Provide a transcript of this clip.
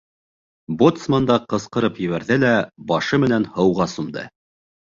Боцман да ҡысҡырып ебәрҙе лә башы менән һыуға сумды.